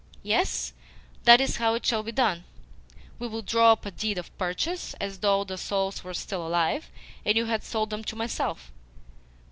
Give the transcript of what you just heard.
"Yes, that is how it shall be done. We will draw up a deed of purchase as though the souls were still alive and you had sold them to myself."